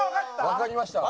わかりました。